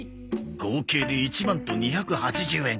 合計で１万と２８０円か。